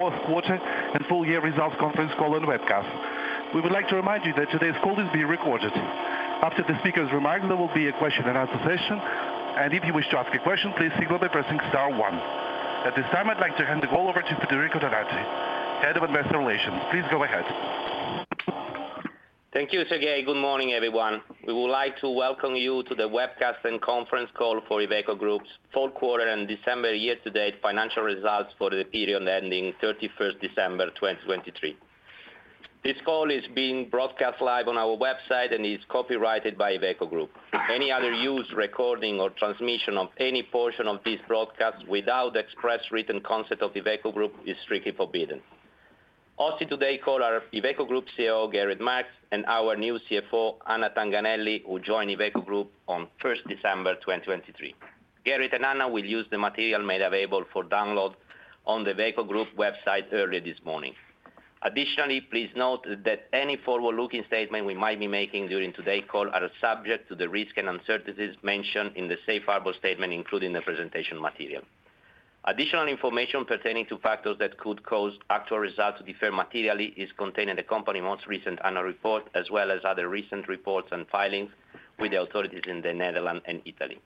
Both quarter and full-year results conference call on webcast. We would like to remind you that today's call is being recorded. After the speaker's remarks, there will be a question-and-answer session, and if you wish to ask a question, please signal by pressing star 1. At this time, I'd like to hand the call over to Federico Donati, Head of Investor Relations. Please go ahead. Thank you, Sergei. Good morning, everyone. We would like to welcome you to the webcast and conference call for Iveco Group's Q4 and December year-to-date financial results for the period ending 31 December 2023. This call is being broadcast live on our website and is copyrighted by Iveco Group. Any other use, recording, or transmission of any portion of this broadcast without the express written consent of Iveco Group is strictly forbidden. Our speakers today on the call are Iveco Group CEO, Gerrit Marx, and our new CFO, Anna Tanganelli, who joined Iveco Group on 1 December 2023. Gerrit and Anna will use the material made available for download on the Iveco Group website earlier this morning. Additionally, please note that any forward-looking statement we might be making during today's call are subject to the risks and uncertainties mentioned in the Safe Harbor statement, including the presentation material. Additional information pertaining to factors that could cause actual results to differ materially is contained in the company's most recent annual report, as well as other recent reports and filings with the authorities in the Netherlands and Italy.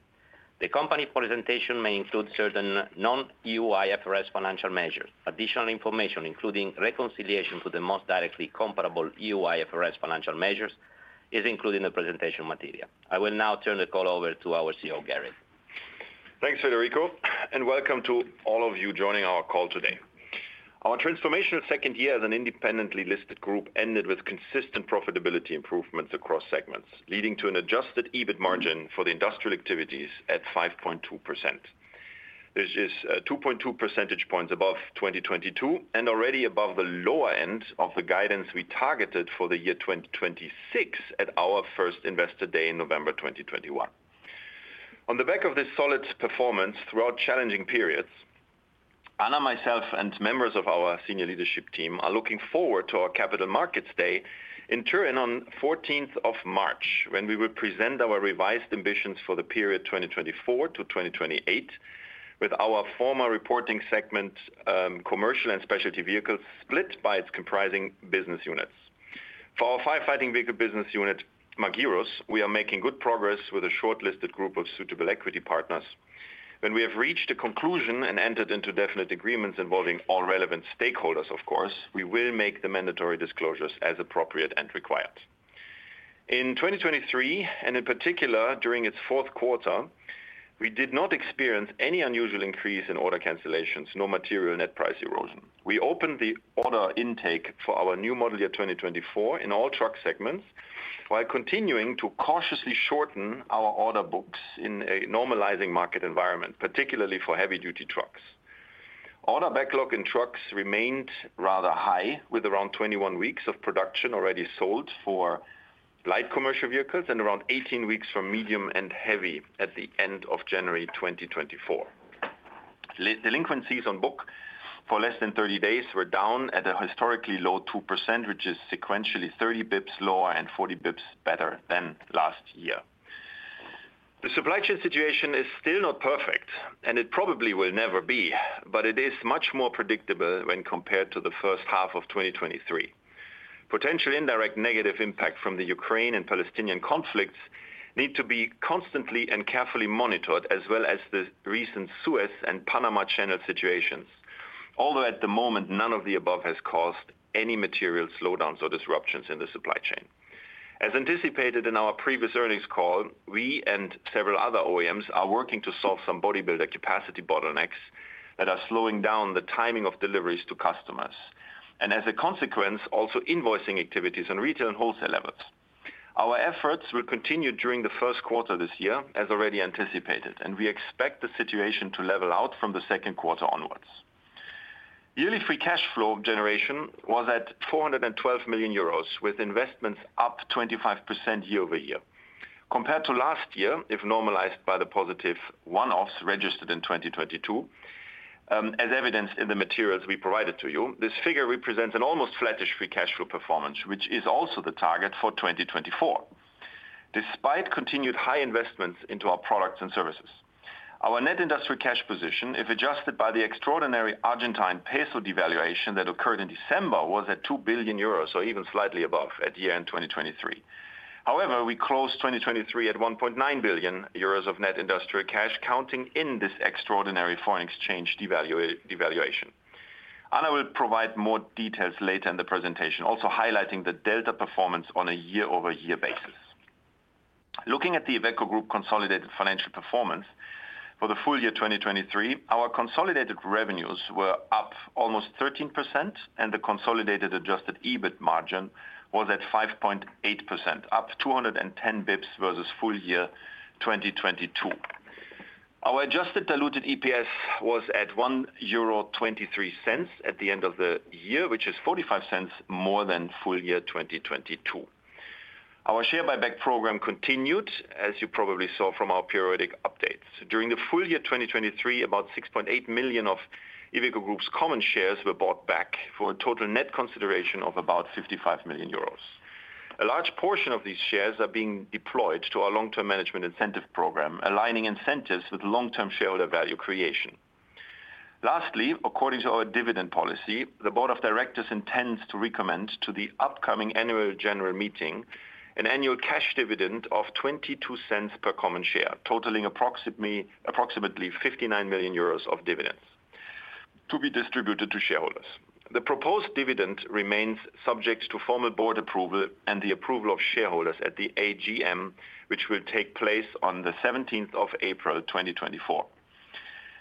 The company presentation may include certain non-EU IFRS financial measures. Additional information, including reconciliation to the most directly comparable EU IFRS financial measures, is included in the presentation material. I will now turn the call over to our CEO, Gerrit. Thanks, Federico, and welcome to all of you joining our call today. Our transformational second year as an independently listed group ended with consistent profitability improvements across segments, leading to an Adjusted EBIT margin for the industrial activities at 5.2%. This is, 2.2 percentage points above 2022 and already above the lower end of the guidance we targeted for the year 2026 at our first investor day in November 2021. On the back of this solid performance throughout challenging periods, Anna, myself, and members of our senior leadership team are looking forward to our Capital Markets Day in Turin on 14 March, when we will present our revised ambitions for the period 2024 to 2028 with our former reporting segment, commercial and specialty vehicles, split by its comprising business units. For our firefighting vehicle business unit, Magirus, we are making good progress with a shortlisted group of suitable equity partners. When we have reached a conclusion and entered into definite agreements involving all relevant stakeholders, of course, we will make the mandatory disclosures as appropriate and required. In 2023, and in particular during its Q4, we did not experience any unusual increase in order cancellations, nor material net price erosion. We opened the order intake for our new model year 2024 in all truck segments while continuing to cautiously shorten our order books in a normalizing market environment, particularly for heavy-duty trucks. Order backlog in trucks remained rather high, with around 21 weeks of production already sold for light commercial vehicles and around 18 weeks for medium and heavy at the end of January 2024. LCV delinquencies on book for less than 30 days were down at a historically low 2%, which is sequentially 30 basis points lower and 40 basis points better than last year. The supply chain situation is still not perfect, and it probably will never be, but it is much more predictable when compared to the first half of 2023. Potential indirect negative impact from the Ukraine and Palestinian conflicts needs to be constantly and carefully monitored, as well as the recent Suez and Panama Canal situations, although at the moment, none of the above has caused any material slowdowns or disruptions in the supply chain. As anticipated in our previous earnings call, we and several other OEMs are working to solve some bodybuilder capacity bottlenecks that are slowing down the timing of deliveries to customers and, as a consequence, also invoicing activities on retail and wholesale levels. Our efforts will continue during the Q1 this year, as already anticipated, and we expect the situation to level out from the Q2 onwards. Yearly free cash flow generation was at 412 million euros, with investments up 25% year-over-year. Compared to last year, if normalized by the positive one-offs registered in 2022, as evidenced in the materials we provided to you, this figure represents an almost flattish free cash flow performance, which is also the target for 2024, despite continued high investments into our products and services. Our net industrial cash position, if adjusted by the extraordinary Argentine peso devaluation that occurred in December, was at 2 billion euros, or even slightly above, at year-end 2023. However, we closed 2023 at 1.9 billion euros of net industrial cash, counting in this extraordinary foreign exchange devaluation. Anna will provide more details later in the presentation, also highlighting the delta performance on a year-over-year basis. Looking at the Iveco Group consolidated financial performance for the full year 2023, our consolidated revenues were up almost 13%, and the consolidated Adjusted EBIT margin was at 5.8%, up 210 bips versus full year 2022. Our Adjusted Diluted EPS was at 1.23 euro at the end of the year, which is 0.45 more than full year 2022. Our share-buy-back program continued, as you probably saw from our periodic updates. During the full year 2023, about 6.8 million of Iveco Group's common shares were bought back for a total net consideration of about 55 million euros. A large portion of these shares are being deployed to our long-term management incentive program, aligning incentives with long-term shareholder value creation. Lastly, according to our dividend policy, the board of directors intends to recommend to the upcoming annual general meeting an annual cash dividend of 0.22 per common share, totaling approximately 59 million euros of dividends to be distributed to shareholders. The proposed dividend remains subject to formal board approval and the approval of shareholders at the AGM, which will take place on 17 April 2024.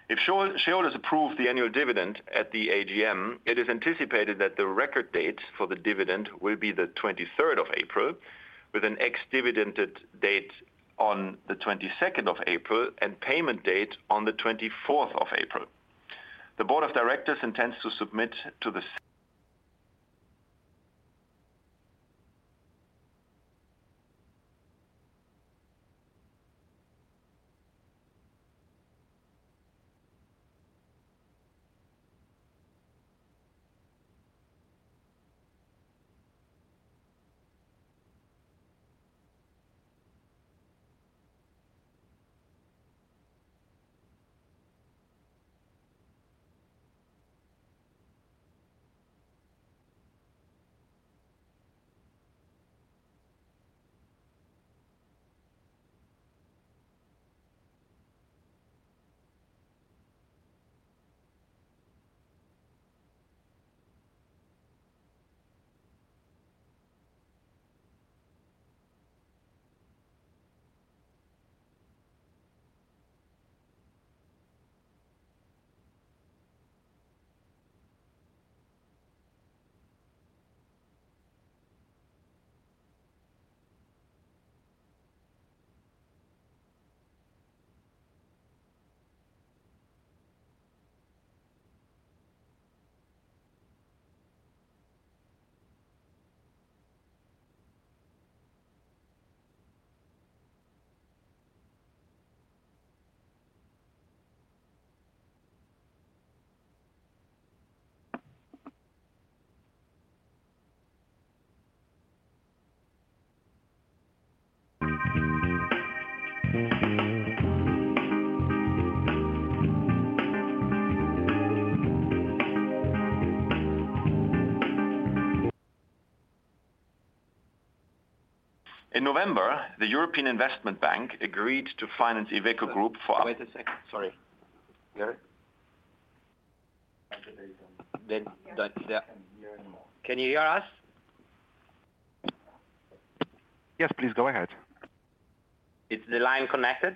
If shareholders approve the annual dividend at the AGM, it is anticipated that the record date for the dividend will be the 23 April, with an ex-dividend date on the 22 April and payment date on the 24 April. The board of directors intends to submit to the. In November, the European Investment Bank agreed to finance Iveco Group for. Wait a second. Sorry. Gerrit? Can you hear us? Yes, please go ahead. Is the line connected?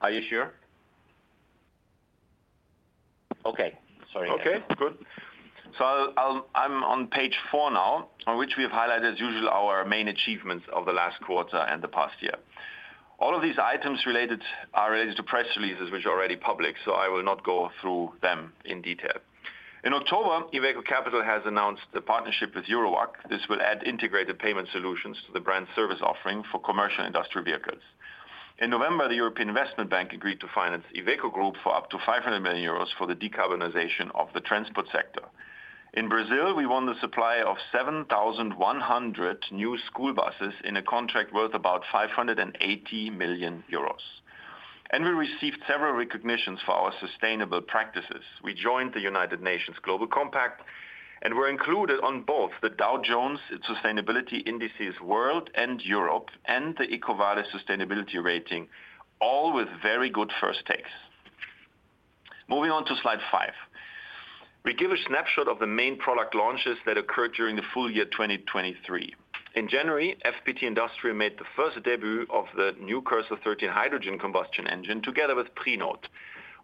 Are you sure? Okay. Sorry. Okay. Good. So I'll – I'm on page 4 now, on which we have highlighted, as usual, our main achievements of the last quarter and the past year. All of these items are related to press releases, which are already public, so I will not go through them in detail. In October, Iveco Capital has announced a partnership with Eurowag. This will add integrated payment solutions to the brand's service offering for commercial industrial vehicles. In November, the European Investment Bank agreed to finance Iveco Group for up to 500 million euros for the decarbonization of the transport sector. In Brazil, we won the supply of 7,100 new school buses in a contract worth about 580 million euros. We received several recognitions for our sustainable practices. We joined the United Nations Global Compact and were included on both the Dow Jones Sustainability Indices World and Europe and the EcoVadis Sustainability Rating, all with very good first takes. Moving on to slide 5. We give a snapshot of the main product launches that occurred during the full year 2023. In January, FPT Industrial made the first debut of the new Cursor 13 hydrogen combustion engine together with Prinoth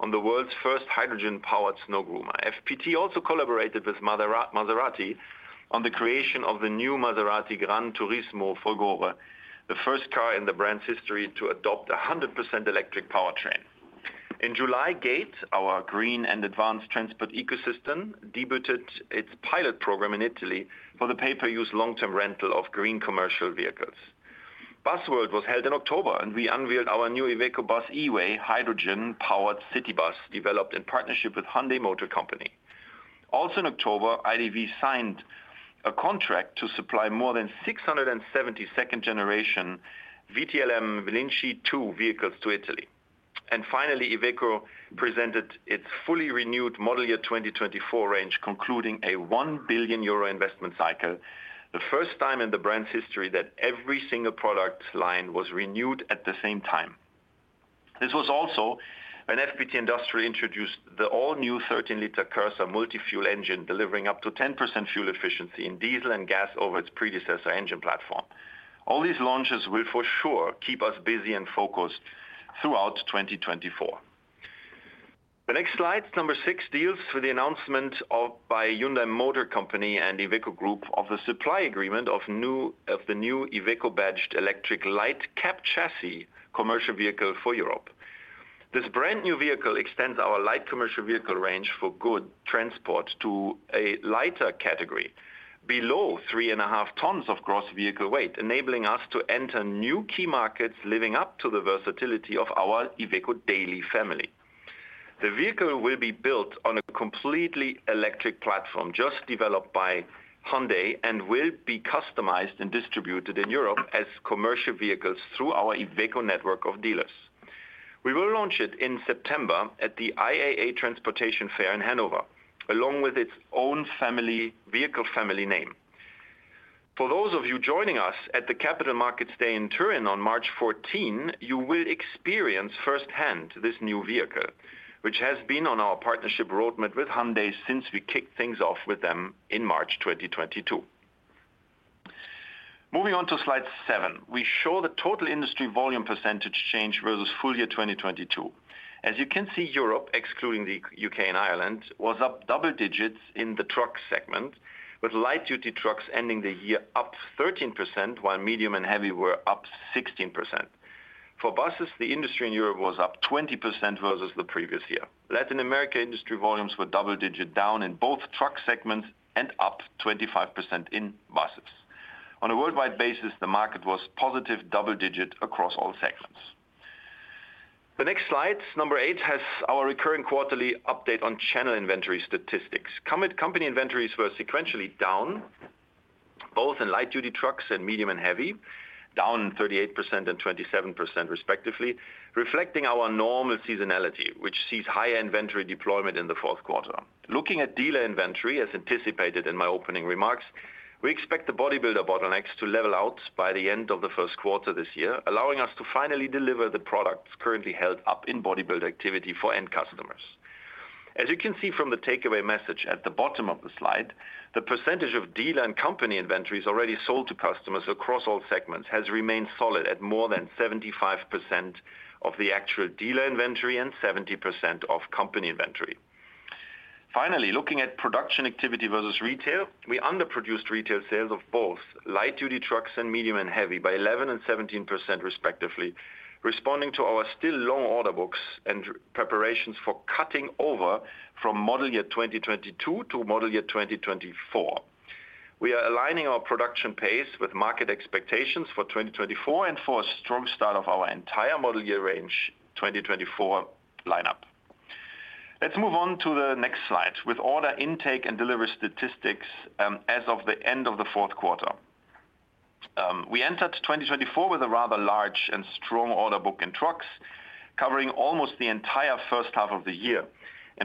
on the world's first hydrogen-powered snow groomer. FPT also collaborated with Maserati on the creation of the new Maserati GranTurismo Folgore, the first car in the brand's history to adopt a 100% electric powertrain. In July, GATE, our green and advanced transport ecosystem, debuted its pilot program in Italy for the pay-per-use long-term rental of green commercial vehicles. Busworld was held in October, and we unveiled our new Iveco Bus E-Way, hydrogen-powered city bus developed in partnership with Hyundai Motor Company. Also in October, IDV signed a contract to supply more than 670 second-generation VTLM Lince 2 vehicles to Italy. Finally, Iveco presented its fully renewed model year 2024 range, concluding a 1 billion euro investment cycle, the first time in the brand's history that every single product line was renewed at the same time. This was also when FPT Industrial introduced the all-new 13-liter Cursor multifuel engine, delivering up to 10% fuel efficiency in diesel and gas over its predecessor engine platform. All these launches will for sure keep us busy and focused throughout 2024. The next slide, number 6, deals with the announcement by Hyundai Motor Company and Iveco Group of the supply agreement of the new Iveco-badged electric light cab chassis commercial vehicle for Europe. This brand-new vehicle extends our light commercial vehicle range for goods transport to a lighter category, below 3.5 tons of gross vehicle weight, enabling us to enter new key markets living up to the versatility of our Iveco daily family. The vehicle will be built on a completely electric platform just developed by Hyundai and will be customized and distributed in Europe as commercial vehicles through our Iveco network of dealers. We will launch it in September at the IAA Transportation fair in Hannover, along with its own family vehicle family name. For those of you joining us at the Capital Markets Day in Turin on March 14, you will experience firsthand this new vehicle, which has been on our partnership roadmap with Hyundai since we kicked things off with them in March 2022. Moving on to slide 7. We show the total industry volume percentage change versus full year 2022. As you can see, Europe, excluding the UK and Ireland, was up double digits in the truck segment, with light-duty trucks ending the year up 13% while medium and heavy were up 16%. For buses, the industry in Europe was up 20% versus the previous year. Latin America industry volumes were double-digit down in both truck segments and up 25% in buses. On a worldwide basis, the market was positive double-digit across all segments. The next slide, number 8, has our recurring quarterly update on channel inventory statistics. Current company inventories were sequentially down, both in light-duty trucks and medium and heavy, down 38% and 27% respectively, reflecting our normal seasonality, which sees higher inventory deployment in the Q4. Looking at dealer inventory, as anticipated in my opening remarks, we expect the bodybuilder bottlenecks to level out by the end of the Q1 this year, allowing us to finally deliver the products currently held up in bodybuild activity for end customers. As you can see from the takeaway message at the bottom of the slide, the percentage of dealer and company inventories already sold to customers across all segments has remained solid at more than 75% of the actual dealer inventory and 70% of company inventory. Finally, looking at production activity versus retail, we underproduced retail sales of both light-duty trucks and medium and heavy by 11% and 17% respectively, responding to our still long order books and preparations for cutting over from model year 2022 to model year 2024. We are aligning our production pace with market expectations for 2024 and for a strong start of our entire model year range 2024 lineup. Let's move on to the next slide with order intake and delivery statistics, as of the end of the Q4. We entered 2024 with a rather large and strong order book in trucks, covering almost the entire first half of the year.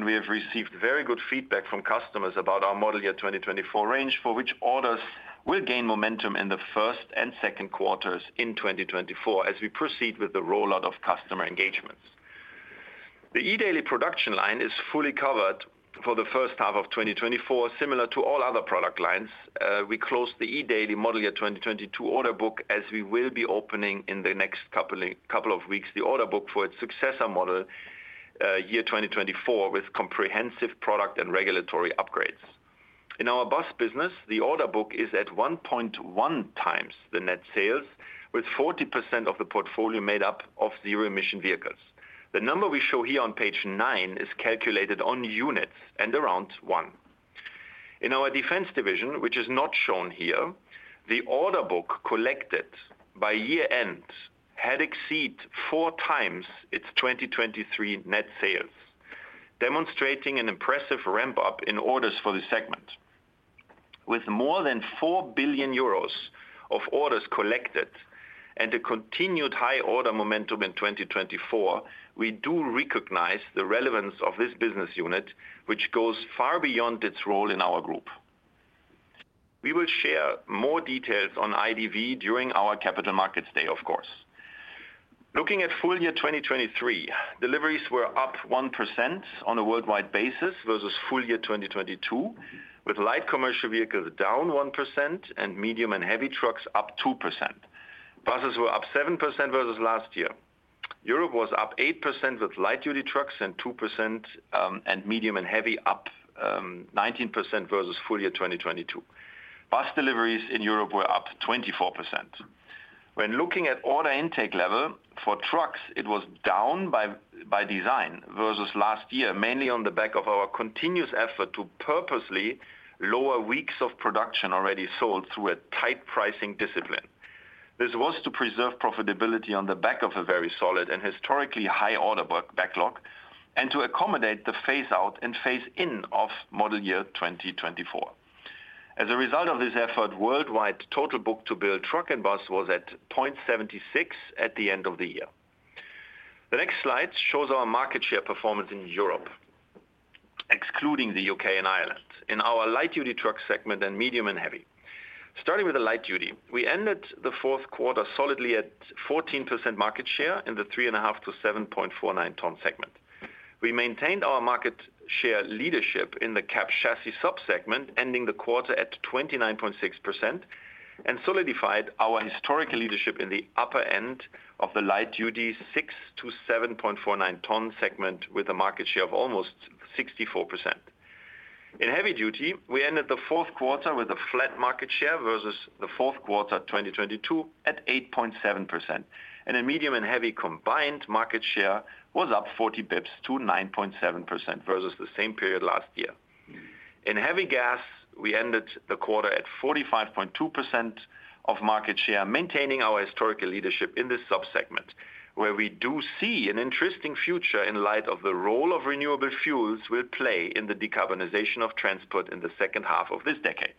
We have received very good feedback from customers about our model year 2024 range, for which orders will gain momentum in the first and Q2s in 2024 as we proceed with the rollout of customer engagements. The eDaily production line is fully covered for the first half of 2024, similar to all other product lines. We closed the eDaily model year 2022 order book, as we will be opening in the next couple of weeks the order book for its successor model, year 2024, with comprehensive product and regulatory upgrades. In our bus business, the order book is at 1.1x the net sales, with 40% of the portfolio made up of zero-emission vehicles. The number we show here on page 9 is calculated on units and around one. In our defense division, which is not shown here, the order book collected by year-end had exceeded four times its 2023 net sales, demonstrating an impressive ramp-up in orders for the segment. With more than 4 billion euros of orders collected and a continued high order momentum in 2024, we do recognize the relevance of this business unit, which goes far beyond its role in our group. We will share more details on IDV during our Capital Markets Day, of course. Looking at full year 2023, deliveries were up 1% on a worldwide basis versus full year 2022, with light commercial vehicles down 1% and medium and heavy trucks up 2%. Buses were up 7% versus last year. Europe was up 8% with light-duty trucks and 2%, and medium and heavy up 19% versus full year 2022. Bus deliveries in Europe were up 24%. When looking at order intake level for trucks, it was down by design versus last year, mainly on the back of our continuous effort to purposely lower weeks of production already sold through a tight pricing discipline. This was to preserve profitability on the back of a very solid and historically high order backlog and to accommodate the phase-out and phase-in of model year 2024. As a result of this effort, worldwide total book-to-build truck and bus was at 0.76 at the end of the year. The next slide shows our market share performance in Europe, excluding the UK and Ireland, in our light-duty truck segment and medium- and heavy-. Starting with the light-duty, we ended the Q4 solidly at 14% market share in the 3.5 to 7.49-ton segment. We maintained our market share leadership in the cab chassis subsegment, ending the quarter at 29.6%, and solidified our historical leadership in the upper end of the light-duty 6 to 7.49-ton segment with a market share of almost 64%. In heavy-duty, we ended the Q4 with a flat market share versus the Q4 2022 at 8.7%. In medium and heavy combined, market share was up 40 pips to 9.7% versus the same period last year. In heavy gas, we ended the quarter at 45.2% of market share, maintaining our historical leadership in this subsegment, where we do see an interesting future in light of the role of renewable fuels will play in the decarbonization of transport in the second half of this decade.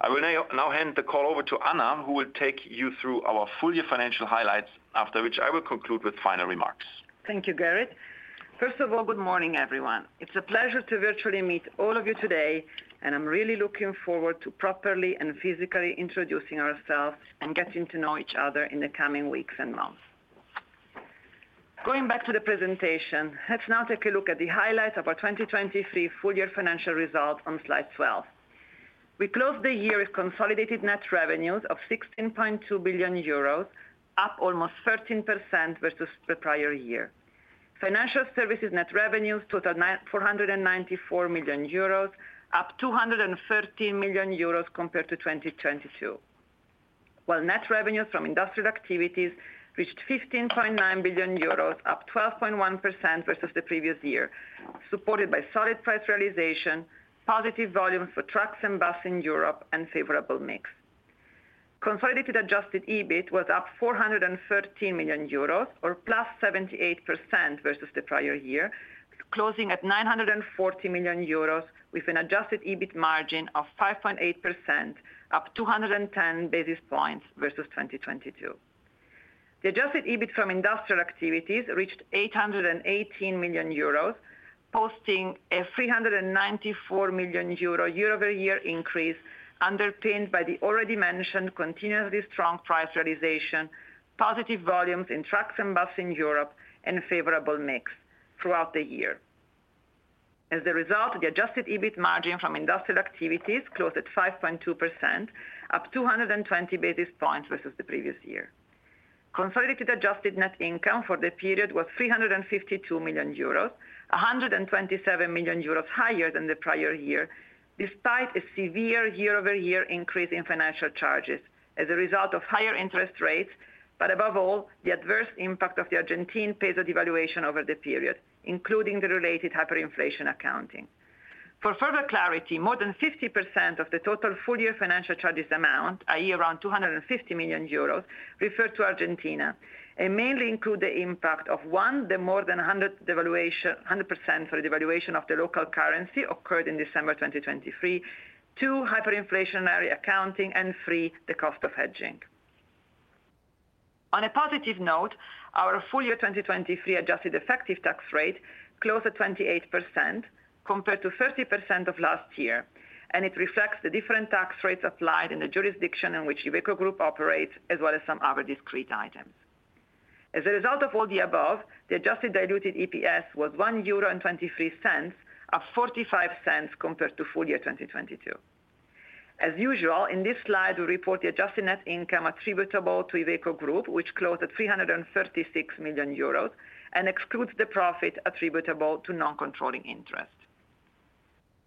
I will now hand the call over to Anna, who will take you through our full year financial highlights, after which I will conclude with final remarks. Thank you, Gerrit. First of all, good morning, everyone. It's a pleasure to virtually meet all of you today, and I'm really looking forward to properly and physically introducing ourselves and getting to know each other in the coming weeks and months. Going back to the presentation, let's now take a look at the highlights of our 2023 full year financial results on slide 12. We closed the year with consolidated net revenues of 16.2 billion euros, up almost 13% versus the prior year. Financial services net revenues totaled 494 million euros, up 213 million euros compared to 2022, while net revenues from industrial activities reached 15.9 billion euros, up 12.1% versus the previous year, supported by solid price realization, positive volumes for trucks and bus in Europe, and favorable mix. Consolidated adjusted EBIT was up 413 million euros or plus 78% versus the prior year, closing at 940 million euros with an adjusted EBIT margin of 5.8%, up 210 basis points versus 2022. The adjusted EBIT from industrial activities reached 818 million euros, posting a 394 million euro year-over-year increase underpinned by the already mentioned continuously strong price realization, positive volumes in trucks and bus in Europe, and favorable mix throughout the year. As a result, the adjusted EBIT margin from industrial activities closed at 5.2%, up 220 basis points versus the previous year. Consolidated adjusted net income for the period was 352 million euros, 127 million euros higher than the prior year, despite a severe year-over-year increase in financial charges as a result of higher interest rates, but above all, the adverse impact of the Argentine peso devaluation over the period, including the related hyperinflation accounting. For further clarity, more than 50% of the total full year financial charges amount, i.e., around 250 million euros, refer to Argentina and mainly include the impact of, one, the more than 100% devaluation of the local currency occurred in December 2023. Two, hyperinflationary accounting. And three, the cost of hedging. On a positive note, our full year 2023 adjusted effective tax rate closed at 28% compared to 30% of last year, and it reflects the different tax rates applied in the jurisdiction in which Iveco Group operates, as well as some other discrete items. As a result of all the above, the adjusted diluted EPS was 1.23 euro, up 0.45 compared to full year 2022. As usual, in this slide, we report the adjusted net income attributable to Iveco Group, which closed at 336 million euros and excludes the profit attributable to non-controlling interest.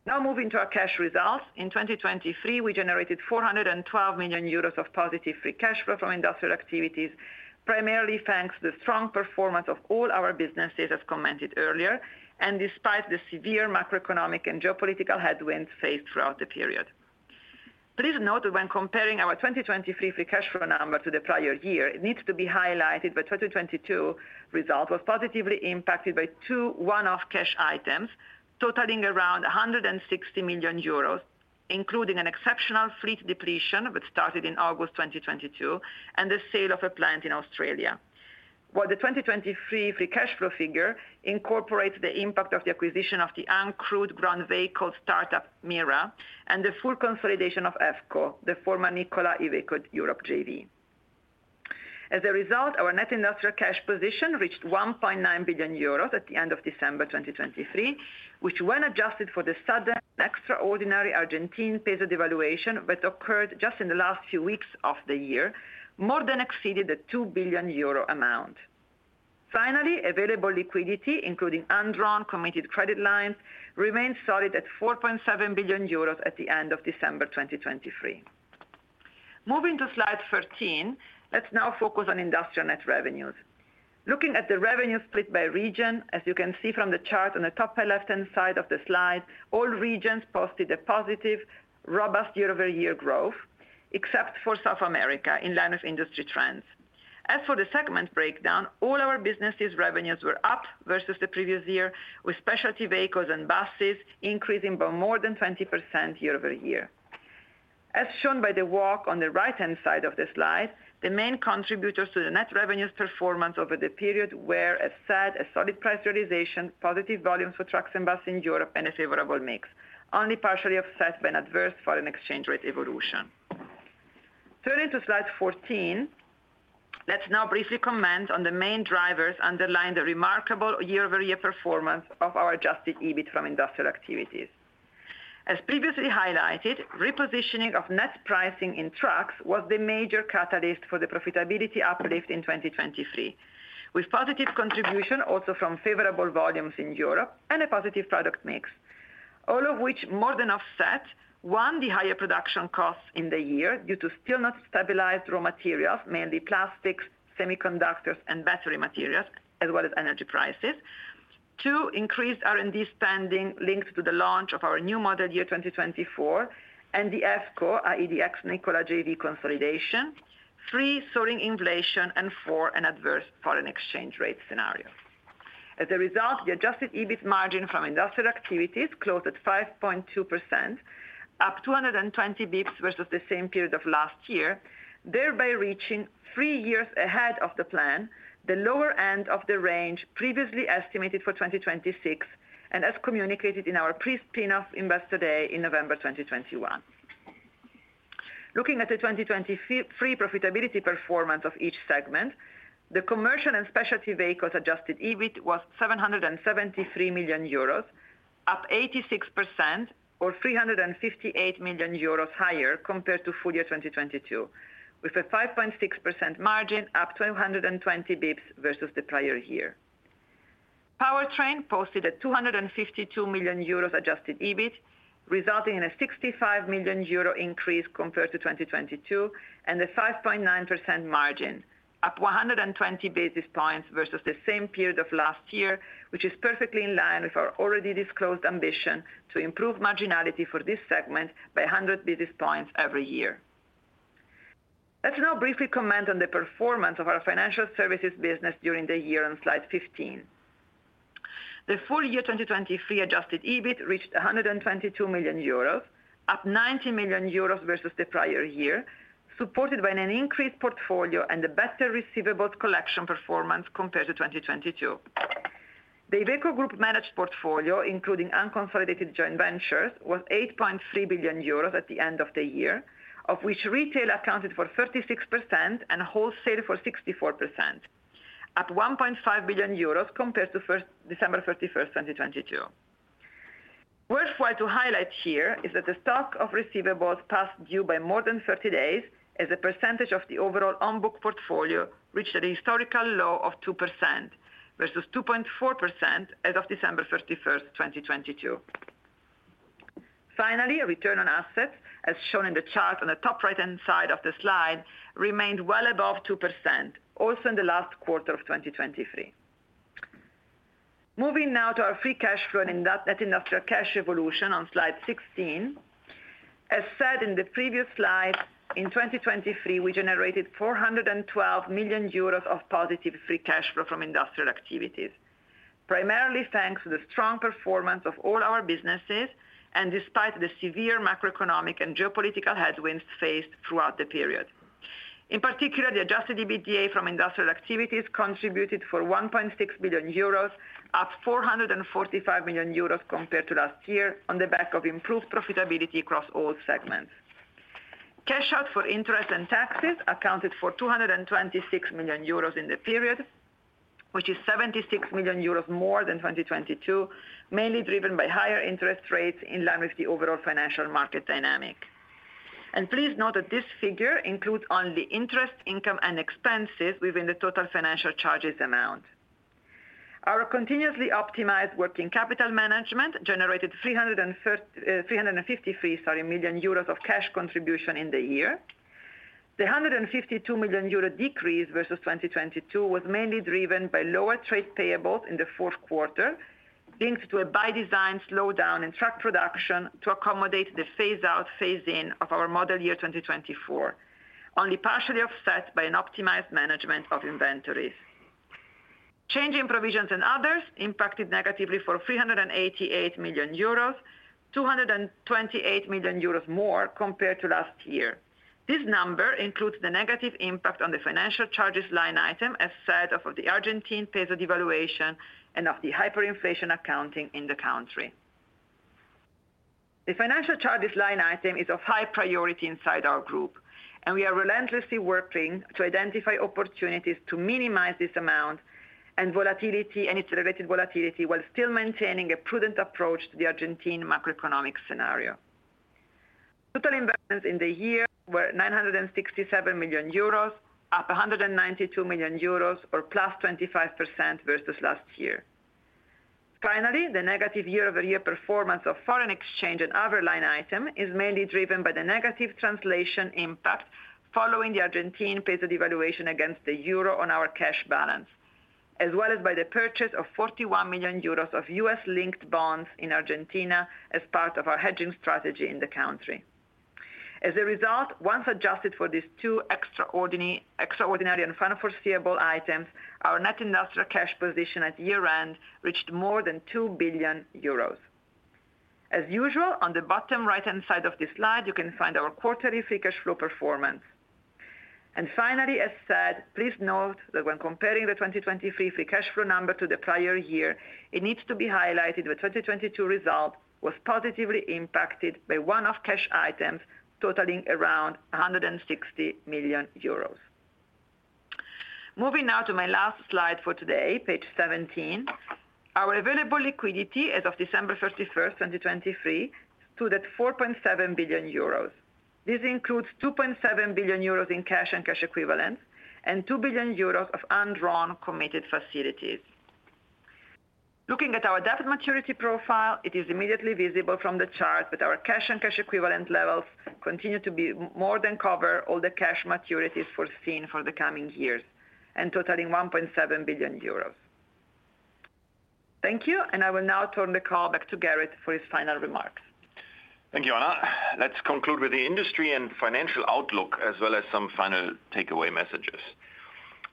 Now moving to our cash results. In 2023, we generated 412 million euros of positive free cash flow from industrial activities, primarily thanks to the strong performance of all our businesses, as commented earlier, and despite the severe macroeconomic and geopolitical headwinds faced throughout the period. Please note that when comparing our 2023 free cash flow number to the prior year, it needs to be highlighted that 2022's result was positively impacted by two one-off cash items totaling around 160 million euros, including an exceptional fleet depletion that started in August 2022 and the sale of a plant in Australia. While the 2023 free cash flow figure incorporates the impact of the acquisition of the uncrewed ground vehicle startup MIRA and the full consolidation of EVCO, the former Nikola Iveco Europe JV, as a result, our net industrial cash position reached 1.9 billion euros at the end of December 2023, which, when adjusted for the sudden extraordinary Argentine peso devaluation that occurred just in the last few weeks of the year, more than exceeded the 2 billion euro amount. Finally, available liquidity, including undrawn committed credit lines, remained solid at EUR 4.7 billion at the end of December 2023. Moving to slide 13, let's now focus on industrial net revenues. Looking at the revenue split by region, as you can see from the chart on the top left-hand side of the slide, all regions posted a positive, robust year-over-year growth except for South America in line with industry trends. As for the segment breakdown, all our businesses' revenues were up versus the previous year, with specialty vehicles and buses increasing by more than 20% year-over-year. As shown by the walk on the right-hand side of the slide, the main contributors to the net revenues performance over the period were, as said, a solid price realization, positive volumes for trucks and bus in Europe, and a favorable mix, only partially offset by an adverse foreign exchange rate evolution. Turning to slide 14, let's now briefly comment on the main drivers underlying the remarkable year-over-year performance of our Adjusted EBIT from industrial activities. As previously highlighted, repositioning of net pricing in trucks was the major catalyst for the profitability uplift in 2023, with positive contribution also from favorable volumes in Europe and a positive product mix, all of which more than offset, one, the higher production costs in the year due to still not stabilized raw materials, mainly plastics, semiconductors, and battery materials, as well as energy prices, two, increased R&D spending linked to the launch of our new Model Year 2024 and the EVCO, i.e., the ex-Nikola JV consolidation, three, soaring inflation, and four, an adverse foreign exchange rate scenario. As a result, the Adjusted EBIT Margin from industrial activities closed at 5.2%, up 220 basis points versus the same period of last year, thereby reaching three years ahead of the plan, the lower end of the range previously estimated for 2026 and as communicated in our pre-spinoff investor day in November 2021. Looking at the 2023 profitability performance of each segment, the commercial and specialty vehicles Adjusted EBIT was 773 million euros, up 86% or 358 million euros higher compared to full year 2022, with a 5.6% margin, up 220 basis points versus the prior year. Powertrain posted a 252 million euros Adjusted EBIT, resulting in a 65 million euro increase compared to 2022 and a 5.9% margin, up 120 basis points versus the same period of last year, which is perfectly in line with our already disclosed ambition to improve marginality for this segment by 100 basis points every year. Let's now briefly comment on the performance of our financial services business during the year on slide 15. The full year 2023 Adjusted EBIT reached 122 million euros, up 90 million euros versus the prior year, supported by an increased portfolio and a better receivables collection performance compared to 2022. The Iveco Group managed portfolio, including unconsolidated joint ventures, was 8.3 billion euros at the end of the year, of which retail accounted for 36% and wholesale for 64%, up 1.5 billion euros compared to 31 December, 2022. Worthwhile to highlight here is that the stock of receivables past due by more than 30 days as a percentage of the overall on-book portfolio reached a historical low of 2% versus 2.4% as of 31 December, 2022. Finally, a return on assets, as shown in the chart on the top right-hand side of the slide, remained well above 2%, also in the last quarter of 2023. Moving now to our free cash flow and net industrial cash evolution on slide 16. As said in the previous slide, in 2023, we generated 412 million euros of positive free cash flow from industrial activities, primarily thanks to the strong performance of all our businesses and despite the severe macroeconomic and geopolitical headwinds faced throughout the period. In particular, the adjusted EBITDA from industrial activities contributed for 1.6 billion euros, up 445 million euros compared to last year, on the back of improved profitability across all segments. Cash out for interest and taxes accounted for 226 million euros in the period, which is 76 million euros more than 2022, mainly driven by higher interest rates in line with the overall financial market dynamic. Please note that this figure includes only interest, income, and expenses within the total financial charges amount. Our continuously optimized working capital management generated 353 million euros of cash contribution in the year. The 152 million euro decrease versus 2022 was mainly driven by lower trade payables in the Q4 linked to a by design slowdown in truck production to accommodate the phase out, phase in of our Model Year 2024, only partially offset by an optimized management of inventories. Changing provisions and others impacted negatively for 388 million euros, 228 million euros more compared to last year. This number includes the negative impact on the financial charges line item, as said, of the Argentine peso devaluation and of the hyperinflation accounting in the country. The financial charges line item is of high priority inside our group, and we are relentlessly working to identify opportunities to minimize this amount and its related volatility while still maintaining a prudent approach to the Argentine macroeconomic scenario. Total investments in the year were 967 million euros, up 192 million euros or +25% versus last year. Finally, the negative year-over-year performance of foreign exchange and other line item is mainly driven by the negative translation impact following the Argentine peso devaluation against the euro on our cash balance, as well as by the purchase of 41 million euros of US-linked bonds in Argentina as part of our hedging strategy in the country. As a result, once adjusted for these two extraordinary and unforeseeable items, our net industrial cash position at year-end reached more than 2 billion euros. As usual, on the bottom right-hand side of this slide, you can find our quarterly free cash flow performance. And finally, as said, please note that when comparing the 2023 free cash flow number to the prior year, it needs to be highlighted that 2022's result was positively impacted by one-off cash items totaling around 160 million euros. Moving now to my last slide for today, page 17, our available liquidity as of December 31st, 2023, stood at 4.7 billion euros. This includes 2.7 billion euros in cash and cash equivalents and 2 billion euros of undrawn committed facilities. Looking at our debt maturity profile, it is immediately visible from the chart that our cash and cash equivalent levels continue to more than cover all the cash maturities foreseen for the coming years and totaling 1.7 billion euros. Thank you. I will now turn the call back to Gerrit for his final remarks. Thank you, Anna. Let's conclude with the industry and financial outlook as well as some final takeaway messages.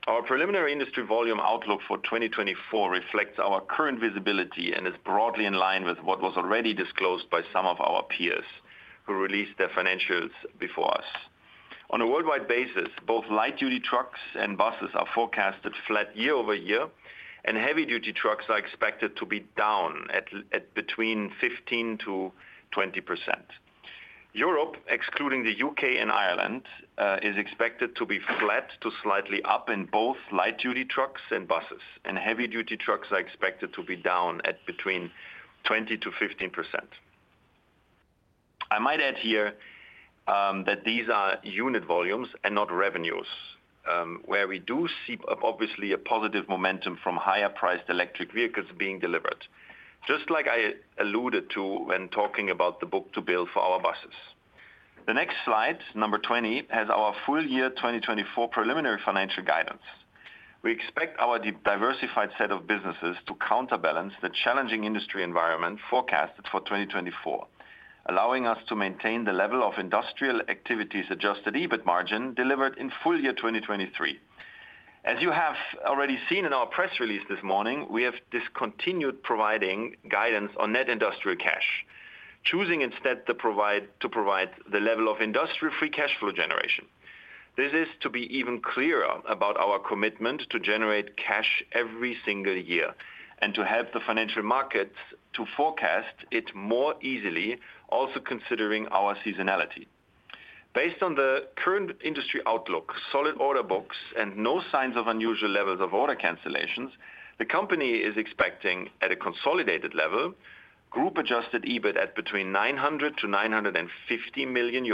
Our preliminary industry volume outlook for 2024 reflects our current visibility and is broadly in line with what was already disclosed by some of our peers who released their financials before us. On a worldwide basis, both light-duty trucks and buses are forecasted flat year-over-year, and heavy-duty trucks are expected to be down at between 15% to 20%. Europe, excluding the UK and Ireland, is expected to be flat to slightly up in both light-duty trucks and buses, and heavy-duty trucks are expected to be down at between 20% to 15%. I might add here that these are unit volumes and not revenues, where we do see, obviously, a positive momentum from higher-priced electric vehicles being delivered, just like I alluded to when talking about the book-to-build for our buses. The next slide, number 20, has our full year 2024 preliminary financial guidance. We expect our diversified set of businesses to counterbalance the challenging industry environment forecasted for 2024, allowing us to maintain the level of industrial activities Adjusted EBIT margin delivered in full year 2023. As you have already seen in our press release this morning, we have discontinued providing guidance on net industrial cash, choosing instead to provide the level of industry free cash flow generation. This is to be even clearer about our commitment to generate cash every single year and to help the financial markets to forecast it more easily, also considering our seasonality. Based on the current industry outlook, solid order books, and no signs of unusual levels of order cancellations, the company is expecting, at a consolidated level, Group-Adjusted EBIT at between 900 to 950 million.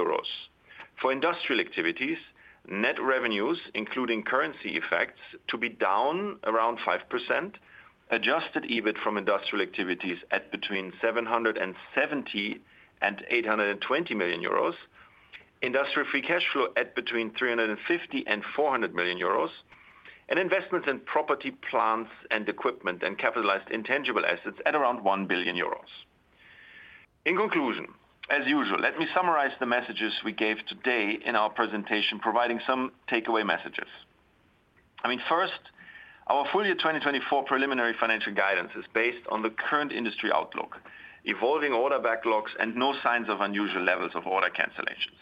For industrial activities, net revenues, including currency effects, to be down around 5%, Adjusted EBIT from industrial activities at between 770 to 820 million, industrial free cash flow at between 350 and 400 million, and investments in property, plants, and equipment and capitalized intangible assets at around 1 billion euros. In conclusion, as usual, let me summarize the messages we gave today in our presentation, providing some takeaway messages. I mean, first, our full year 2024 preliminary financial guidance is based on the current industry outlook, evolving order backlogs, and no signs of unusual levels of order cancellations.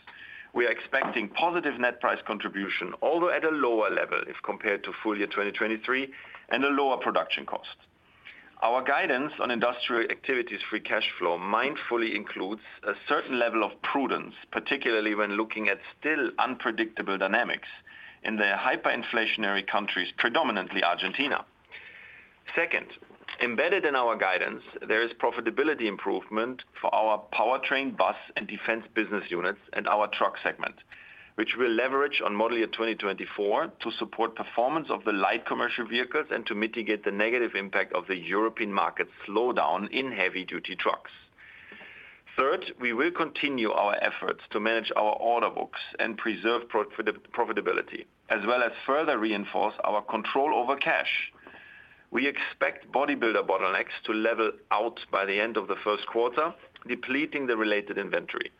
We are expecting positive net price contribution, although at a lower level if compared to full year 2023, and a lower production cost. Our guidance on industrial activities free cash flow mindfully includes a certain level of prudence, particularly when looking at still unpredictable dynamics in the hyperinflationary countries, predominantly Argentina. Second, embedded in our guidance, there is profitability improvement for our Powertrain bus and defense business units and our truck segment, which we'll leverage on model year 2024 to support performance of the light commercial vehicles and to mitigate the negative impact of the European market slowdown in heavy-duty trucks. Third, we will continue our efforts to manage our order books and preserve profitability, as well as further reinforce our control over cash. We expect bodybuilder bottlenecks to level out by the end of the Q1, depleting the related inventory.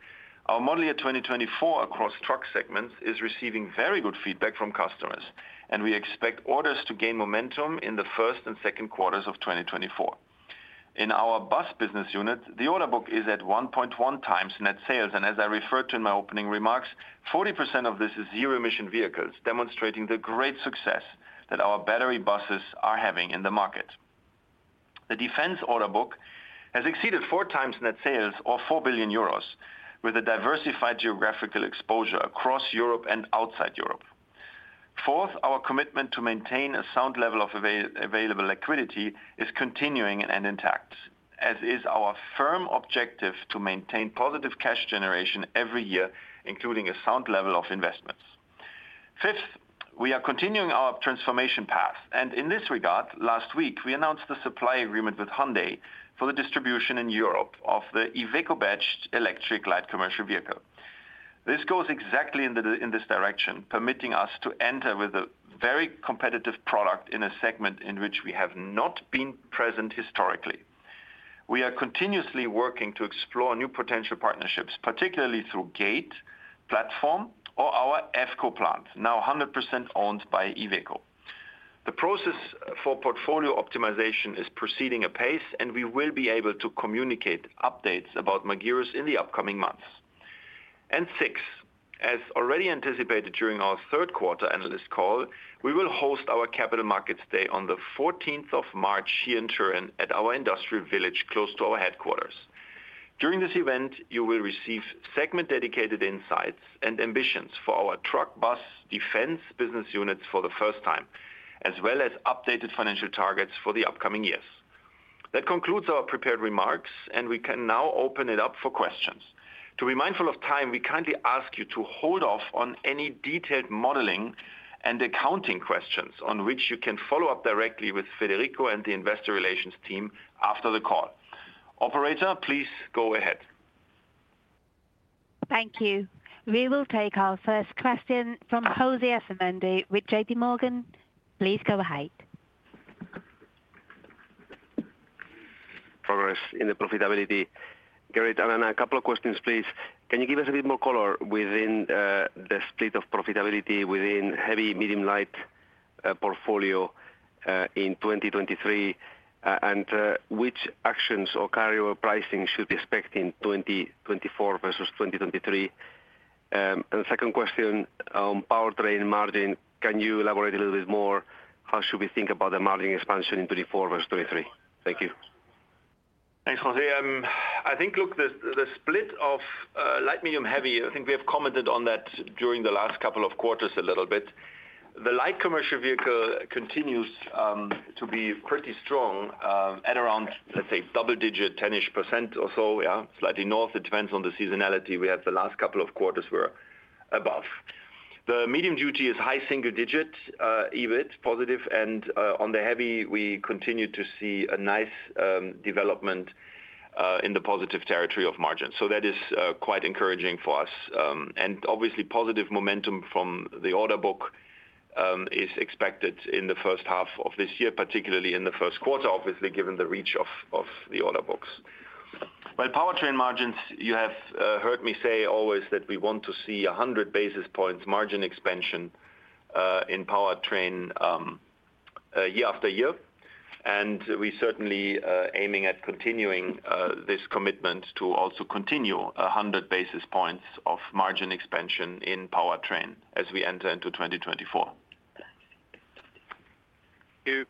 Our model year 2024 across truck segments is receiving very good feedback from customers, and we expect orders to gain momentum in the first and Q2s of 2024. In our bus business unit, the order book is at 1.1x net sales. As I referred to in my opening remarks, 40% of this is zero-emission vehicles, demonstrating the great success that our battery buses are having in the market. The defense order book has exceeded four times net sales, or 4 billion euros, with a diversified geographical exposure across Europe and outside Europe. Fourth, our commitment to maintain a sound level of available liquidity is continuing and intact, as is our firm objective to maintain positive cash generation every year, including a sound level of investments. Fifth, we are continuing our transformation path. And in this regard, last week, we announced the supply agreement with Hyundai for the distribution in Europe of the Iveco-badged electric light commercial vehicle. This goes exactly in this direction, permitting us to enter with a very competitive product in a segment in which we have not been present historically. We are continuously working to explore new potential partnerships, particularly through GATE platform or our EVCO plant, now 100% owned by Iveco. The process for portfolio optimization is proceeding at pace, and we will be able to communicate updates about Magirus in the upcoming months. And six, as already anticipated during our Q3 analyst call, we will host our Capital Markets Day on the 14th of March here in Turin at our industrial village close to our headquarters. During this event, you will receive segment-dedicated insights and ambitions for our truck bus defense business units for the first time, as well as updated financial targets for the upcoming years. That concludes our prepared remarks, and we can now open it up for questions. To be mindful of time, we kindly ask you to hold off on any detailed modeling and accounting questions on which you can follow up directly with Federico and the investor relations team after the call. Operator, please go ahead. Thank you. We will take our first question from José Asumendi with J.P. Morgan. Please go ahead. Progress in the profitability. Gerrit, Anna, a couple of questions, please. Can you give us a bit more color within the split of profitability within heavy, medium, light portfolio in 2023, and which actions or carrier pricing should we expect in 2024 versus 2023? And second question on Powertrain margin. Can you elaborate a little bit more? How should we think about the margin expansion in 2024 versus 2023? Thank you. Thanks, José. I think, look, the split of light, medium, heavy I think we have commented on that during the last couple of quarters a little bit. The light commercial vehicle continues to be pretty strong at around, let's say, double-digit 10-ish% or so, yeah, slightly north. It depends on the seasonality. We had the last couple of quarters where above. The medium duty is high single-digit EBIT, positive. And on the heavy, we continue to see a nice development in the positive territory of margins. So that is quite encouraging for us. And obviously, positive momentum from the order book is expected in the first half of this year, particularly in the Q1, obviously, given the reach of the order books. Well, Powertrain margins, you have heard me say always that we want to see 100 basis points margin expansion in Powertrain year after year. And we're certainly aiming at continuing this commitment to also continue 100 basis points of margin expansion in Powertrain as we enter into 2024. Thank you.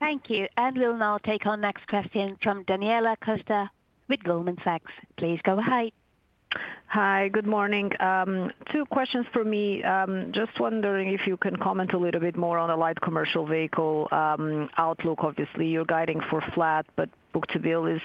Thank you. And we'll now take our next question from Daniela Costa with Goldman Sachs. Please go ahead. Hi. Good morning. Two questions for me. Just wondering if you can comment a little bit more on the light commercial vehicle outlook. Obviously, you're guiding for flat, but book to build is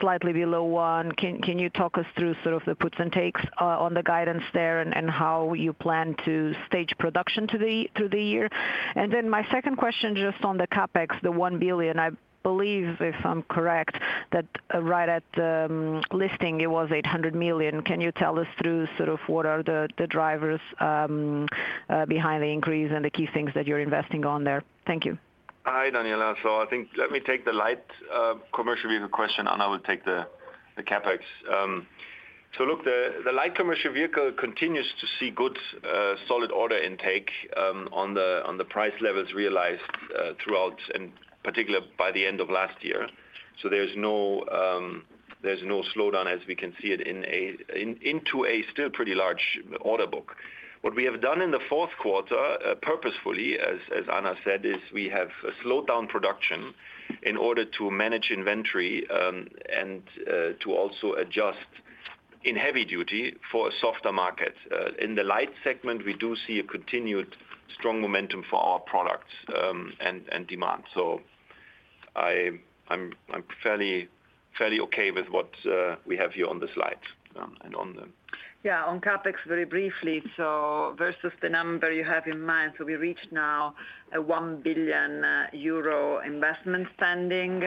slightly below one. Can you talk us through sort of the puts and takes on the guidance there and how you plan to stage production through the year? And then my second question just on the CapEx, the 1 billion. I believe, if I'm correct, that right at listing, it was 800 million. Can you tell us through sort of what are the drivers behind the increase and the key things that you're investing on there? Thank you. Hi, Daniela. So I think let me take the light commercial vehicle question, and I will take the CapEx. So look, the light commercial vehicle continues to see good solid order intake on the price levels realized throughout, in particular, by the end of last year. So there's no slowdown as we can see it into a still pretty large order book. What we have done in the Q4 purposefully, as Anna said, is we have slowed down production in order to manage inventory and to also adjust in heavy duty for a softer market. In the light segment, we do see a continued strong momentum for our products and demand. So I'm fairly okay with what we have here on the slides and on the. Yeah. On CapEx, very briefly. So versus the number you have in mind. So we reached now a 1 billion euro investment spending,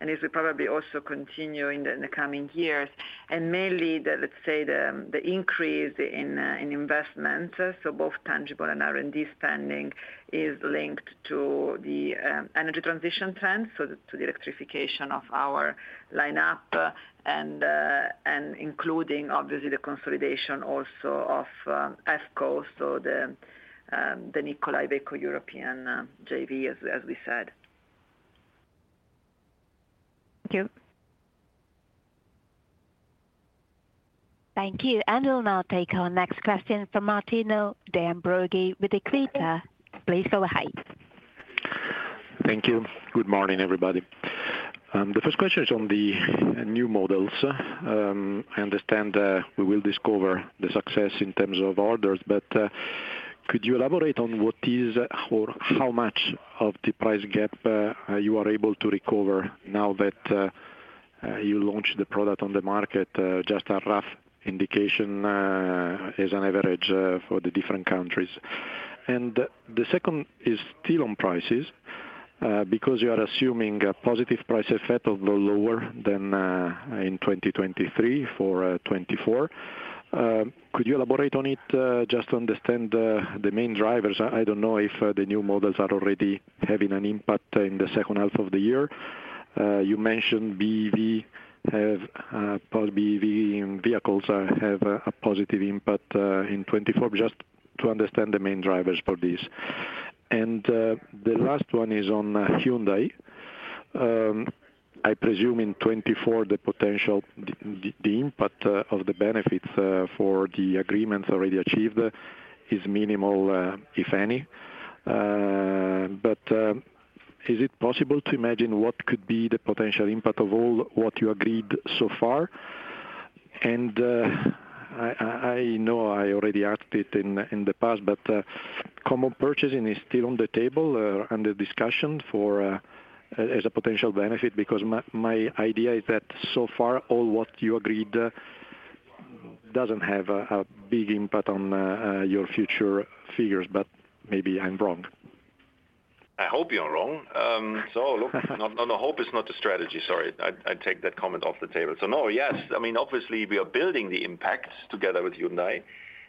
and this will probably also continue in the coming years. Mainly, let's say, the increase in investments, so both tangible and R&D spending, is linked to the energy transition trend, so to the electrification of our lineup, and including, obviously, the consolidation also of EVCO, so the Nikola Iveco Europe JV, as we said. Thank you. Thank you. We'll now take our next question from Martino De Ambroggi with Equita. Please go ahead. Thank you. Good morning, everybody. The first question is on the new models. I understand we will discover the success in terms of orders, but could you elaborate on what is or how much of the price gap you are able to recover now that you launched the product on the market? Just a rough indication as an average for the different countries. The second is still on prices because you are assuming a positive price effect although lower than in 2023 for 2024. Could you elaborate on it, just to understand the main drivers? I don't know if the new models are already having an impact in the second half of the year. You mentioned BEV vehicles have a positive impact in 2024. Just to understand the main drivers for these. And the last one is on Hyundai. I presume in 2024, the impact of the benefits for the agreements already achieved is minimal, if any. But is it possible to imagine what could be the potential impact of all what you agreed so far? And I know I already asked it in the past, but common purchasing is still on the table under discussion as a potential benefit because my idea is that so far, all what you agreed doesn't have a big impact on your future figures. But maybe I'm wrong. I hope you're wrong. So look, no, no, hope is not the strategy. Sorry. I take that comment off the table. So no, yes. I mean, obviously, we are building the impact together with Hyundai.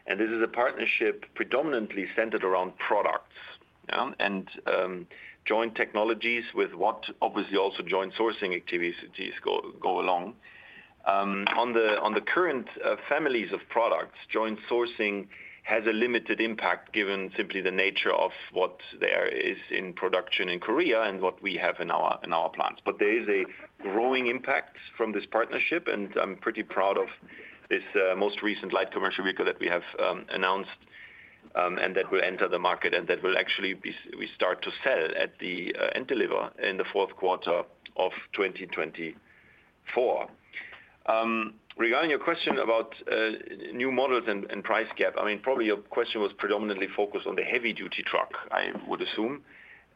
And this is a partnership predominantly centered around products and joint technologies with what, obviously, also joint sourcing activities go along. On the current families of products, joint sourcing has a limited impact given simply the nature of what there is in production in Korea and what we have in our plants. But there is a growing impact from this partnership. And I'm pretty proud of this most recent light commercial vehicle that we have announced and that will enter the market and that will actually be we start to sell at the end deliver in the Q4 of 2024. Regarding your question about new models and price gap, I mean, probably your question was predominantly focused on the heavy-duty truck, I would assume.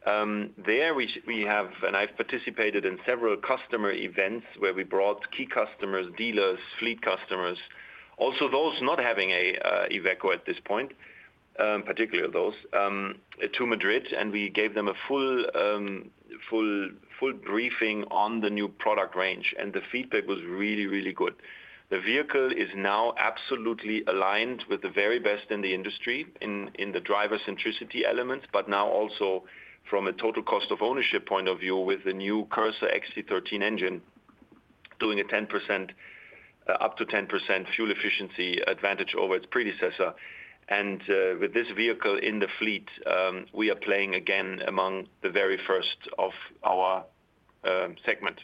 There, we have and I've participated in several customer events where we brought key customers, dealers, fleet customers, also those not having an Iveco at this point, particularly those, to Madrid. And we gave them a full briefing on the new product range. The feedback was really, really good. The vehicle is now absolutely aligned with the very best in the industry in the driver-centricity elements, but now also from a total cost of ownership point of view with the new Cursor XC13 engine doing up to 10% fuel efficiency advantage over its predecessor. With this vehicle in the fleet, we are playing, again, among the very first of our segment.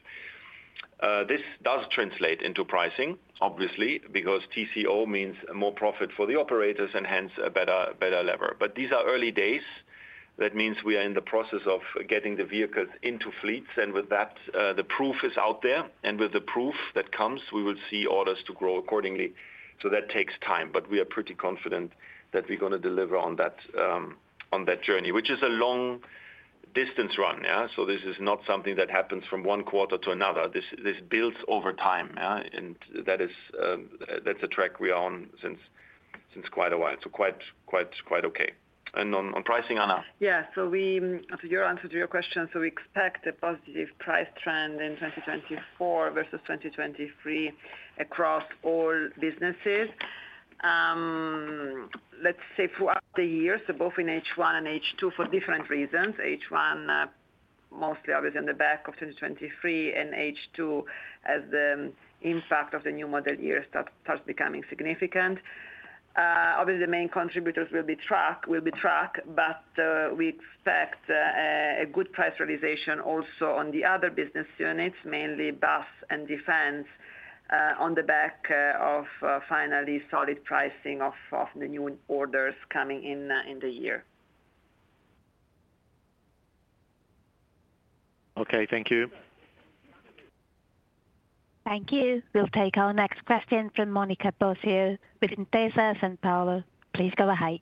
This does translate into pricing, obviously, because TCO means more profit for the operators and hence a better lever. But these are early days. That means we are in the process of getting the vehicles into fleets. With that, the proof is out there. With the proof that comes, we will see orders to grow accordingly. That takes time. But we are pretty confident that we're going to deliver on that journey, which is a long-distance run, yeah? So this is not something that happens from one quarter to another. This builds over time, yeah? And that's a track we are on since quite a while. So quite okay. And on pricing, Anna. Yeah. So to your answer to your question, so we expect a positive price trend in 2024 versus 2023 across all businesses. Let's say throughout the year, so both in H1 and H2 for different reasons, H1 mostly, obviously, on the back of 2023 and H2 as the impact of the new model year starts becoming significant. Obviously, the main contributors will be truck, but we expect a good price realization also on the other business units, mainly bus and defense, on the back of finally solid pricing of the new orders coming in the year. Okay. Thank you. Thank you. We'll take our next question from Monica Bosio with Intesa Sanpaolo. Please go ahead.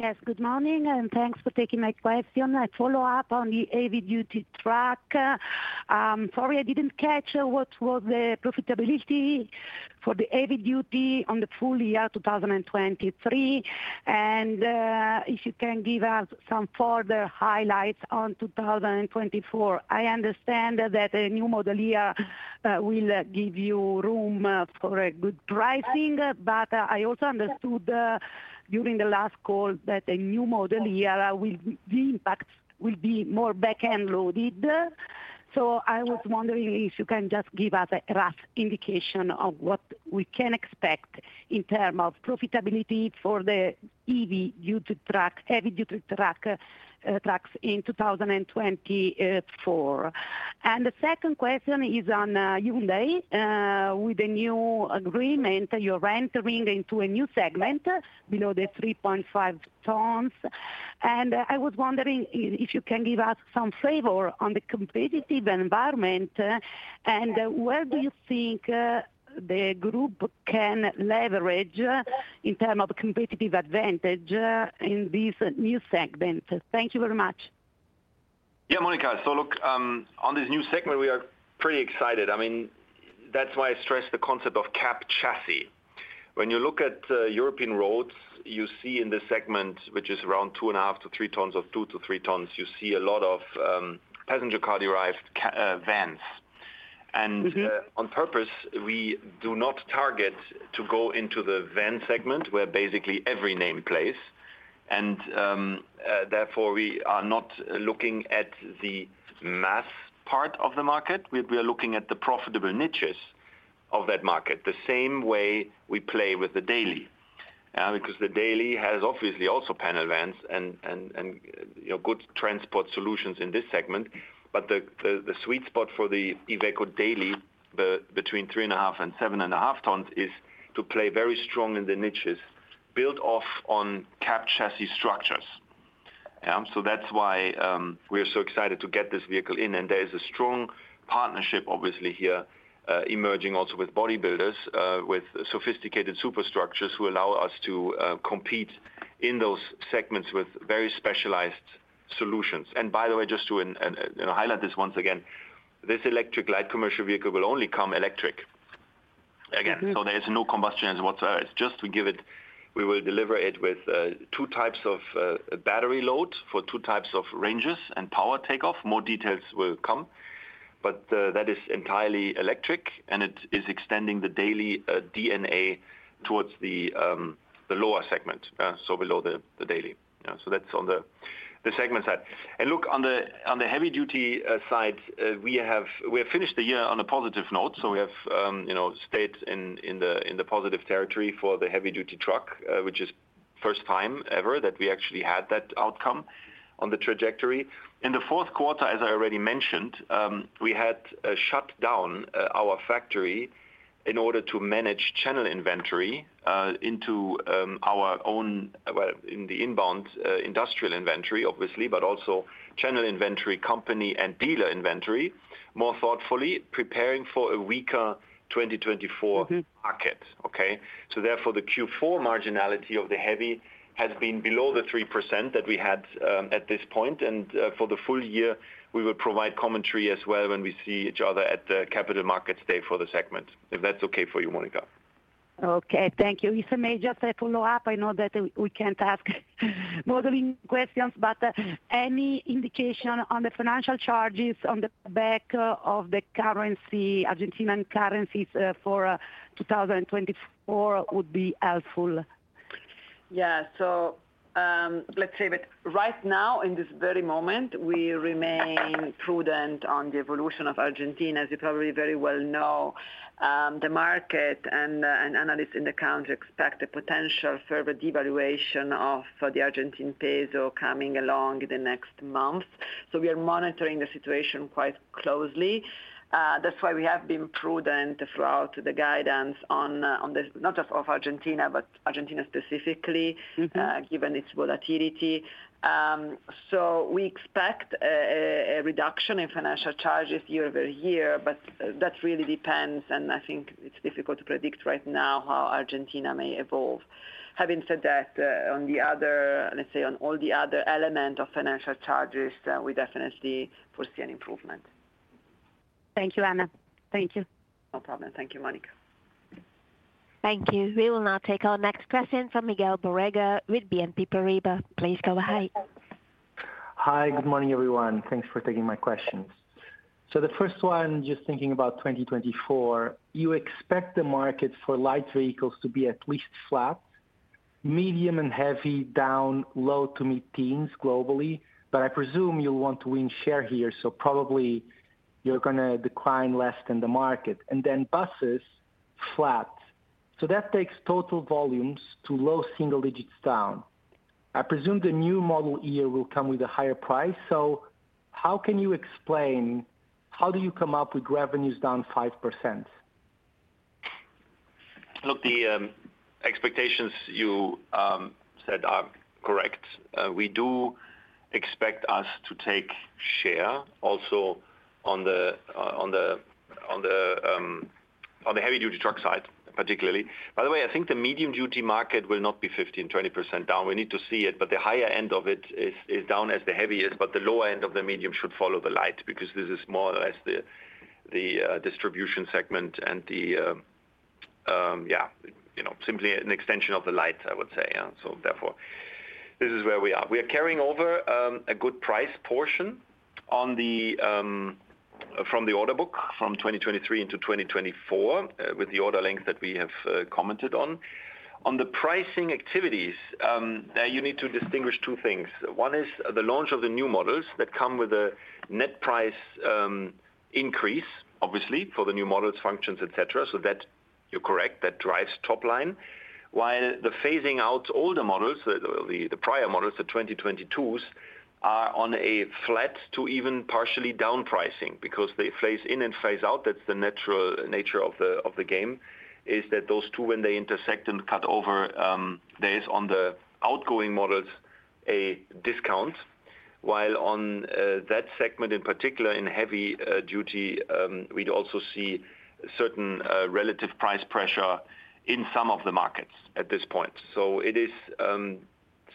Yes. Good morning. And thanks for taking my question. I follow up on the heavy-duty truck. Sorry, I didn't catch what was the profitability for the heavy-duty on the full year 2023. And if you can give us some further highlights on 2024. I understand that a new model year will give you room for a good pricing, but I also understood during the last call that the new model year will be more back-end loaded. So I was wondering if you can just give us a rough indication of what we can expect in terms of profitability for the heavy-duty trucks in 2024. And the second question is on Hyundai. With the new agreement, you're entering into a new segment below the 3.5 tons. I was wondering if you can give us some flavor on the competitive environment and where do you think the group can leverage in terms of competitive advantage in this new segment. Thank you very much. Yeah, Monica. So look, on this new segment, we are pretty excited. I mean, that's why I stressed the concept of cab chassis. When you look at European roads, you see in this segment, which is around 2.5 to 3 tons of 2 to 3 tons, you see a lot of passenger car-derived vans. And on purpose, we do not target to go into the van segment where basically every name plays. And therefore, we are not looking at the mass part of the market. We are looking at the profitable niches of that market the same way we play with the Daily because the Daily has obviously also panel vans and good transport solutions in this segment. But the sweet spot for the Iveco Daily, between 3.5 and 7.5 tons, is to play very strong in the niches, build off on cab chassis structures. So that's why we are so excited to get this vehicle in. And there is a strong partnership, obviously, here emerging also with bodybuilders, with sophisticated superstructures who allow us to compete in those segments with very specialized solutions. And by the way, just to highlight this once again, this electric light commercial vehicle will only come electric, again. So there is no combustion engine whatsoever. It's just we give it we will deliver it with two types of battery load for two types of ranges and power takeoff. More details will come. But that is entirely electric. And it is extending the daily DNA towards the lower segment, so below the daily. So that's on the segment side. And look, on the heavy-duty side, we have finished the year on a positive note. So we have stayed in the positive territory for the heavy-duty truck, which is first time ever that we actually had that outcome on the trajectory. In the Q4, as I already mentioned, we had shut down our factory in order to manage channel inventory into our own well, in the inbound industrial inventory, obviously, but also channel inventory company and dealer inventory more thoughtfully, preparing for a weaker 2024 market, okay? So therefore, the Q4 marginality of the heavy has been below the 3% that we had at this point. And for the full year, we will provide commentary as well when we see each other at the Capital Markets Day for the segment, if that's okay for you, Monica. Okay. Thank you. If I may just follow up, I know that we can't ask modeling questions, but any indication on the financial charges on the back of the Argentine currency for 2024 would be helpful. Yeah. So let's say that right now, in this very moment, we remain prudent on the evolution of Argentina. As you probably very well know, the market and analysts in the country expect a potential further devaluation of the Argentine peso coming along in the next months. So we are monitoring the situation quite closely. That's why we have been prudent throughout the guidance on not just of Argentina, but Argentina specifically, given its volatility. So we expect a reduction in financial charges year-over-year, but that really depends. And I think it's difficult to predict right now how Argentina may evolve. Having said that, on the other let's say, on all the other elements of financial charges, we definitely foresee an improvement. Thank you, Anna. Thank you. No problem. Thank you, Monica. Thank you. We will now take our next question from Miguel Borrega with BNP Paribas. Please go ahead. Hi. Good morning, everyone. Thanks for taking my questions. So the first one, just thinking about 2024, you expect the market for light vehicles to be at least flat, medium and heavy down low to mid-teens globally. But I presume you'll want to win share here. So probably, you're going to decline less than the market. And then buses, flat. So that takes total volumes to low single digits down. I presume the new model year will come with a higher price. So how can you explain how do you come up with revenues down 5%? Look, the expectations you said are correct. We do expect us to take share also on the heavy-duty truck side, particularly. By the way, I think the medium-duty market will not be 15% to 20% down. We need to see it. But the higher end of it is down as the heavy is. But the lower end of the medium should follow the light because this is more or less the distribution segment and the yeah, simply an extension of the light, I would say, yeah? So therefore, this is where we are. We are carrying over a good price portion from the order book from 2023 into 2024 with the order length that we have commented on. On the pricing activities, you need to distinguish two things. One is the launch of the new models that come with a net price increase, obviously, for the new models, functions, etc. So you're correct. That drives top line. While the phasing out older models, the prior models, the 2022s, are on a flat to even partially down pricing because they phase in and phase out. That's the natural nature of the game, is that those two, when they intersect and cut over, there is on the outgoing models a discount. While on that segment in particular, in heavy duty, we'd also see certain relative price pressure in some of the markets at this point. So it is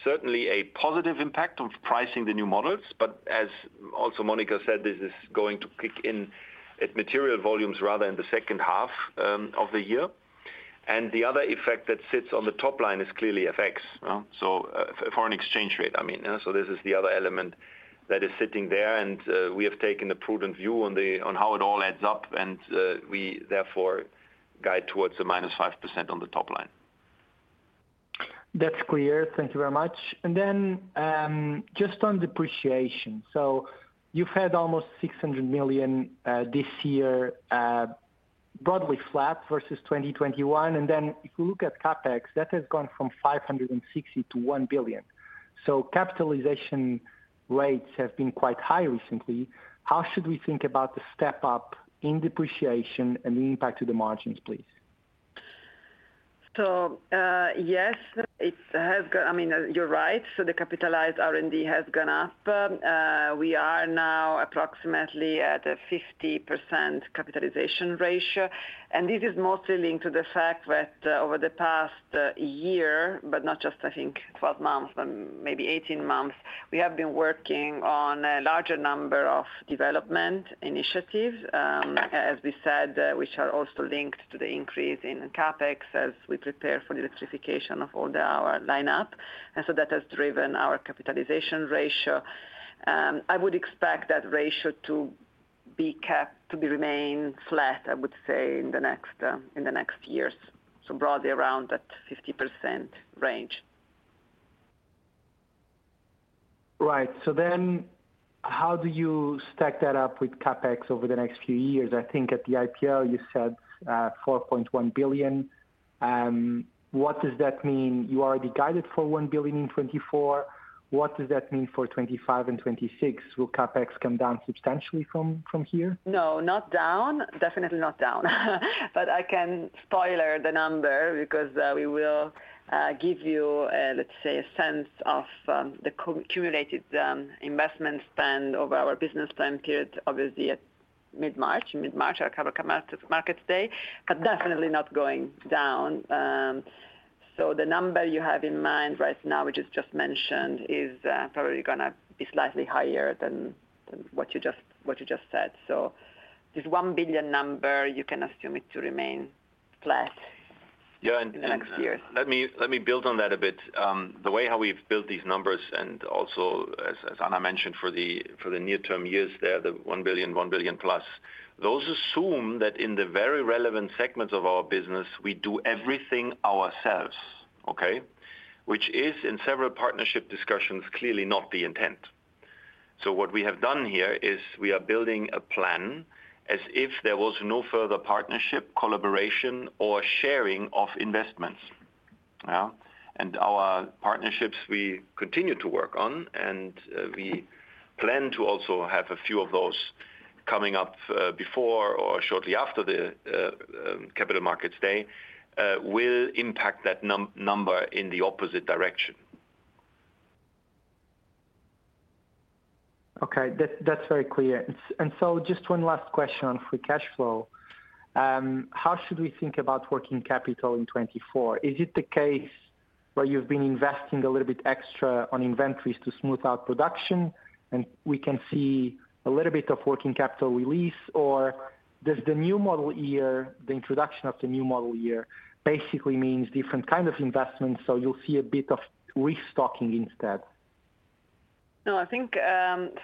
certainly a positive impact of pricing the new models. But as also Monica said, this is going to kick in at material volumes rather in the second half of the year. And the other effect that sits on the top line is clearly FX, so foreign exchange rate, I mean, yeah? So this is the other element that is sitting there. And we have taken a prudent view on how it all adds up. And we therefore guide towards a -5% on the top line. That's clear. Thank you very much. And then just on depreciation. So you've had almost 600 million this year, broadly flat versus 2021. And then if you look at CapEx, that has gone from 560 million to 1 billion. So capitalization rates have been quite high recently. How should we think about the step up in depreciation and the impact to the margins, please? So yes, it has, I mean, you're right. So the capitalized R&D has gone up. We are now approximately at a 50% capitalization ratio. And this is mostly linked to the fact that over the past year, but not just, I think, 12 months, but maybe 18 months, we have been working on a larger number of development initiatives, as we said, which are also linked to the increase in CapEx as we prepare for the electrification of all our lineup. And so that has driven our capitalization ratio. I would expect that ratio to remain flat, I would say, in the next years, so broadly around that 50% range. Right. So then how do you stack that up with CapEx over the next few years? I think at the IPO, you said 4.1 billion. What does that mean? You already guided for 1 billion in 2024. What does that mean for 2025 and 2026? Will CapEx come down substantially from here? No, not down. Definitely not down. But I can spoiler the number because we will give you, let's say, a sense of the cumulated investment spend over our business time period, obviously, at mid-March. In mid-March, our Capital Markets Day, but definitely not going down. So the number you have in mind right now, which is just mentioned, is probably going to be slightly higher than what you just said. So this 1 billion number, you can assume it to remain flat in the next years. Yeah. And let me build on that a bit. The way how we've built these numbers and also, as Anna mentioned, for the near-term years there, the 1 billion, 1 billion plus, those assume that in the very relevant segments of our business, we do everything ourselves, okay, which is in several partnership discussions clearly not the intent. So what we have done here is we are building a plan as if there was no further partnership, collaboration, or sharing of investments, yeah? And our partnerships, we continue to work on. And we plan to also have a few of those coming up before or shortly after the Capital Markets Day will impact that number in the opposite direction. Okay. That's very clear. And so just one last question on free cash flow. How should we think about working capital in 2024? Is it the case where you've been investing a little bit extra on inventories to smooth out production and we can see a little bit of working capital release, or does the new model year, the introduction of the new model year, basically means different kind of investments? So you'll see a bit of restocking instead? No, I think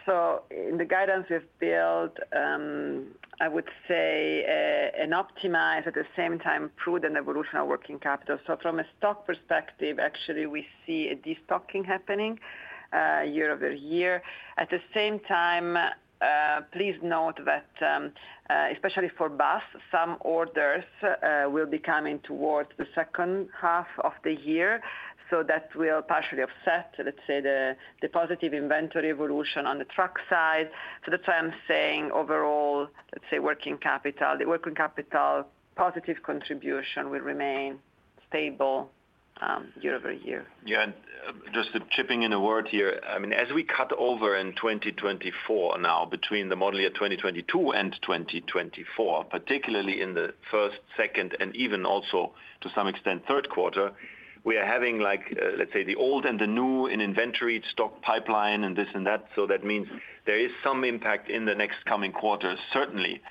so in the guidance we've built, I would say an optimized, at the same time, prudent evolution of working capital. So from a stock perspective, actually, we see a destocking happening year-over-year. At the same time, please note that especially for bus, some orders will be coming towards the second half of the year. So that will partially offset, let's say, the positive inventory evolution on the truck side. So that's why I'm saying overall, let's say, working capital the working capital positive contribution will remain stable year-over-year. Yeah. And just chipping in a word here, I mean, as we cut over in 2024 now between the model year 2022 and 2024, particularly in the first, second, and even also, to some extent, Q3, we are having, let's say, the old and the new in inventory stock pipeline and this and that. So that means there is some impact in the next coming quarters, certainly,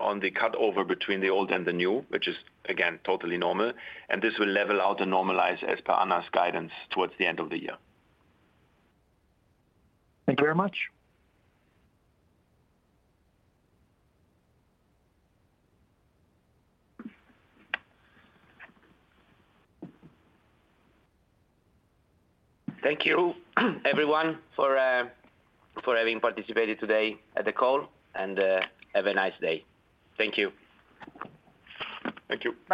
on the cutover between the old and the new, which is, again, totally normal. And this will level out and normalize as per Anna's guidance towards the end of the year. Thank you very much. Thank you, everyone, for having participated today at the call. And have a nice day. Thank you. Thank you. Bye.